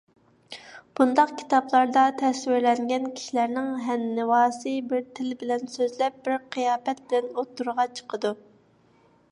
بۇنداق كىتابلاردا تەسۋىرلەنگەن كىشىلەرنىڭ ھەننىۋاسى بىر تىل بىلەن سۆزلەپ، بىر قىياپەت بىلەن ئوتتۇرىغا چىقىدۇ.